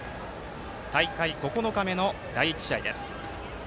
大会９日目の第１試合です。